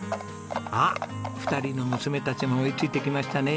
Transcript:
あっ２人の娘たちも追いついてきましたね。